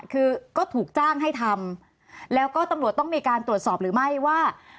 คือก็ถูกจ้างให้ทำแล้วก็ตำรวจต้องมีการตรวจสอบหรือไม่ว่า